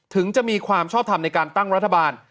ถึงจะมีความชอบทำในการตั้งรัฐบาล